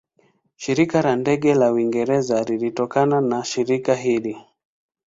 Shirika la Ndege la Uingereza linatokana na shirika hili.